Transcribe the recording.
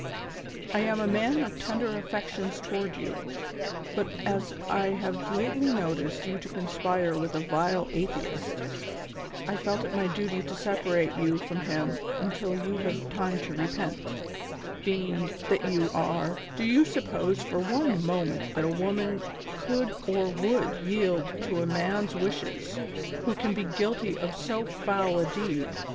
"I am a man of tender affections toward you, but as I have lately noticed you to conspire with a vile atheist, I felt it my duty to separate you from him until you have time to repent "—" Fiend, tliat you are, do you suppose for one moment that a woman could or would yield to a man's wishes, who can be guilty of so foul a deed